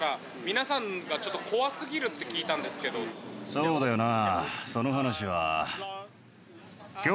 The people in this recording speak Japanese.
そうだよな。